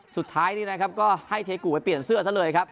สุดท้ายนี่นะครับก็ให้เทกูไปเปลี่ยนเสื้อซะเลยครับ